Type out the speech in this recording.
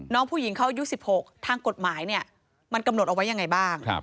น้องผู้หญิงเขาอายุ๑๖ทางกฎหมายเนี่ยมันกำหนดเอาไว้ยังไงบ้าง